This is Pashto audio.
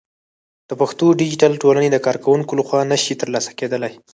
د پښتو ديجيتل ټولنې د کارکوونکو لخوا نشي ترسره کېدلى